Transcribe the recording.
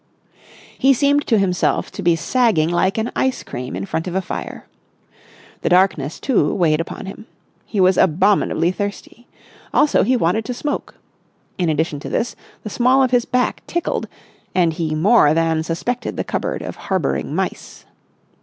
He seemed to himself to be sagging like an ice cream in front of a fire. The darkness, too, weighed upon him. He was abominably thirsty. Also he wanted to smoke. In addition to this, the small of his back tickled, and he more than suspected the cupboard of harbouring mice.